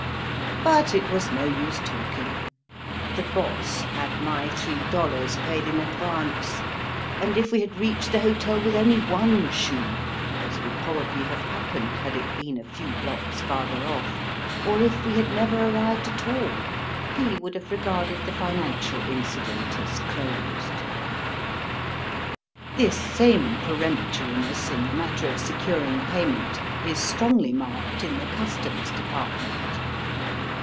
But it was no use talking. " The Boss " had my three dollars paid in advance, and if we had reached the hotel with only one shoe, as would pro hahly have happened had it been a few blocks farther off, or if we had never arrived at all, he would have regarded the financial incident as closed. This same peremptoriness in the matter of securing payment is strongly marked in the Customs Department.